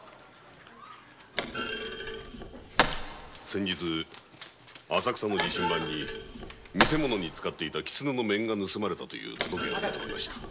先日浅草の見せ物に使っていた狐の面が盗まれたという届けが出ておりました。